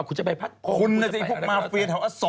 คุณน่ะจริงพวกมาฟเตียเท่าอสโส